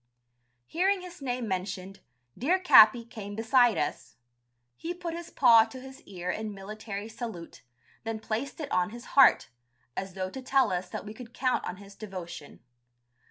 Hearing his name mentioned, dear Capi came beside us: he put his paw to his ear in military salute, then placed it on his heart, as though to tell us that we could count on his devotion.